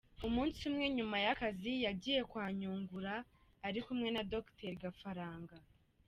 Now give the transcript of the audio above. Umunsi umwe nyuma y’akazi yagiye kwa Nyungura ari kumwe na Docteur Gafaranga.